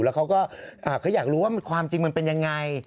แล้วเขาก็เขาอยากรู้ว่าความจริงมันเป็นยังไง